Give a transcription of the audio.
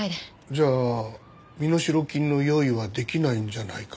じゃあ身代金の用意はできないんじゃないかと？